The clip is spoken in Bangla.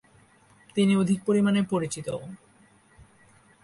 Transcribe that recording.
তিনি অধিক পরিমাণে পরিচিত।